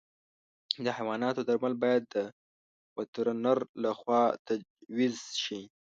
د حیواناتو درمل باید د وترنر له خوا تجویز شي.